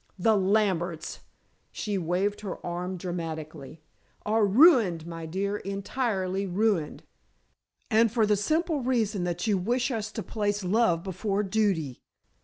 The Lamberts!" she waved her arm dramatically, "are ruined, my dear; entirely ruined!" "And for the simple reason that you wish us to place love before duty."